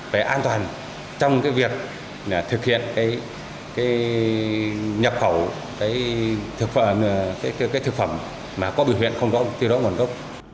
về an toàn trong việc thực hiện nhập khẩu